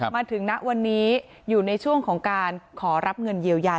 ณวันนี้อยู่ในช่วงของการขอรับเงินเยียวยา